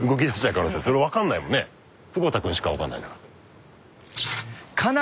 久保田君しか分かんないんだから。